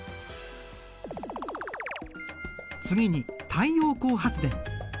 次に太陽光発電。